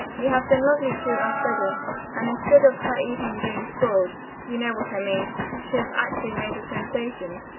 "You have been lovely to Elfreda, and instead of her evening being spoiled, you know what I mean, she has actually made a sensation."